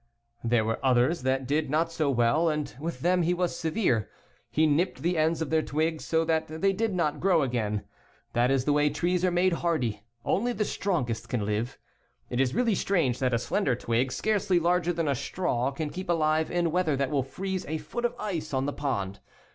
There were others that did not do so well and with them he was severe. He nipped the ends of their twigs so that they did not grow again. That is the way trees are made hardy. Only the strongest can live. It is really very strange that a slender twig, scarcely larger than a straw, can keep alive in weather that will freeze a foot of ice on the pond.